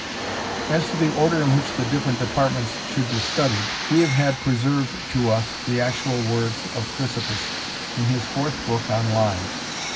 As to the order in which the different departments should be studied, we have had preserved to us the actual words of Chrysippus in his fourth book on Lives.